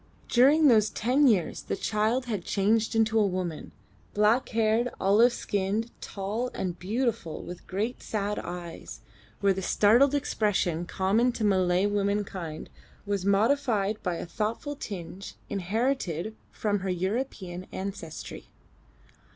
During those ten years the child had changed into a woman, black haired, olive skinned, tall, and beautiful, with great sad eyes, where the startled expression common to Malay womankind was modified by a thoughtful tinge inherited from her European ancestry.